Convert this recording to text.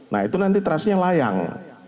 nah itu nanti trase yang layang